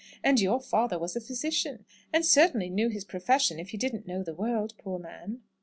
And your father was a physician; and certainly knew his profession if he didn't know the world, poor man!"